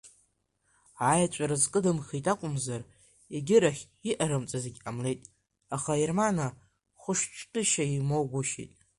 Аеҵәа рызкыдымхит акәымзар, егьы-рахь иҟарымҵаз егьҟамлеит, аха Ермана хәышәтәышьа имоугәышьеит.